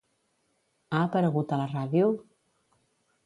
Ha aparegut a la ràdio?